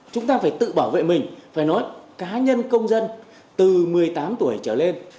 chúng ta phải tự bảo vệ mình phải nói cá nhân công dân từ một mươi tám tuổi trở lên